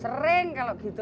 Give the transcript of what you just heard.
sering kalau gitu